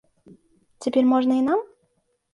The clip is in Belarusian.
Цяпер можна і нам?